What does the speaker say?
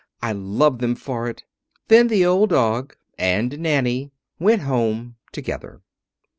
I love them for it." Then the old dog and Nanny went home together.